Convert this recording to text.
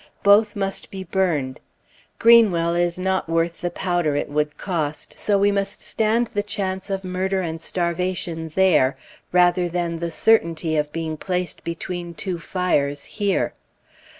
Both must be burned. Greenwell is not worth the powder it would cost, so we must stand the chance of murder and starvation there, rather than the certainty of being placed between two fires here.